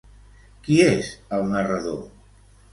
Qui és el narrador?